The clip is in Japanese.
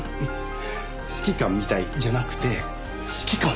「指揮官みたい」じゃなくて指揮官です。